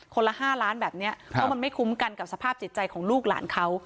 ละ๕ล้านแบบนี้เพราะมันไม่คุ้มกันกับสภาพจิตใจของลูกหลานเขา